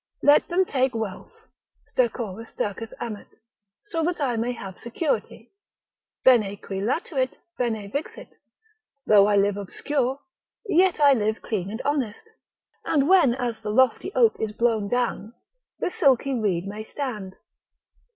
Let them take wealth, Stercora stercus amet so that I may have security: bene qui latuit, bene vixit; though I live obscure, yet I live clean and honest; and when as the lofty oak is blown down, the silky reed may stand.